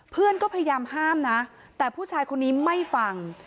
เพื่อนก็พยายามห้ามนะแต่ผู้ชายคนนี้ไม่ฟัง